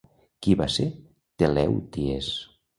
Qui va ser Telèuties?